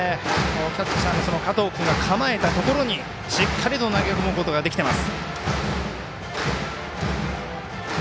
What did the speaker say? キャッチャーの加藤君が構えたところにしっかりと投げ込むことができています。